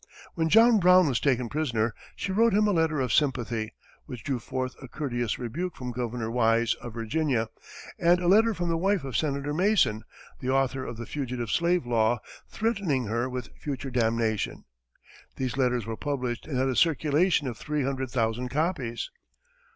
When John Brown was taken prisoner, she wrote him a letter of sympathy, which drew forth a courteous rebuke from Governor Wise, of Virginia, and a letter from the wife of Senator Mason, the author of the fugitive slave law, threatening her with future damnation. These letters were published and had a circulation of three hundred thousand copies.